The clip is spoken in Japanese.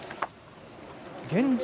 現状